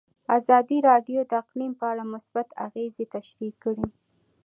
ازادي راډیو د اقلیم په اړه مثبت اغېزې تشریح کړي.